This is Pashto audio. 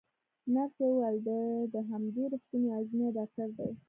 نرسې وویل: دی د همدې روغتون یوازینی ډاکټر دی.